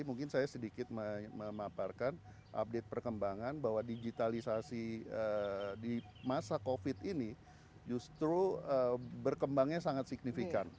mungkin saya sedikit memaparkan update perkembangan bahwa digitalisasi di masa covid ini justru berkembangnya sangat signifikan